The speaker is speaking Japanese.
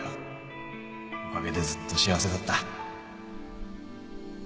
おかげでずっと幸せだった